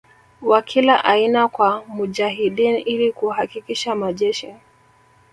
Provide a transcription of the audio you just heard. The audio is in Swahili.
wa kila aina kwa Mujahideen ili kuhakikisha majeshi